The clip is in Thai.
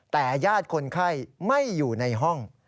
แต่ญาติคนไข้ไม่อยู่ในห้อง